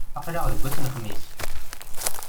Aql-aɣ deg ass n lexmis.